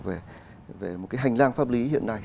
về một cái hành lang pháp lý hiện nay